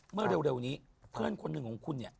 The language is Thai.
เมื่อเร็วนี้เพื่อนคนหนึ่งของคุณเนี่ย